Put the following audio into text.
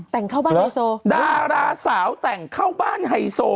แต่งเข้าบ้านไฮโซ